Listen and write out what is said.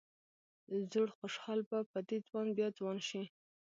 زوړ خوشال به په دې ځوان بیا ځوان شي.